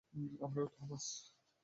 আমারও, থমাস!